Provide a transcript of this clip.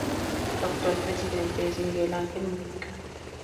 Su actual presidente es Miguel Ángel Mujica.